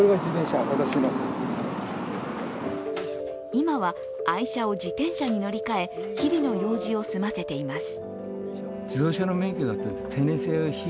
今は愛車を自転車に乗り換え、日々の用事を済ませています。